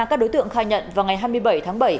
các đối tượng khai nhận vào ngày hai mươi bảy tháng bảy